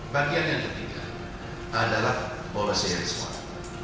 bagian yang ketiga adalah policy and spot